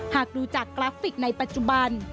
หากดูจากกราฟิกในปัจจุบัน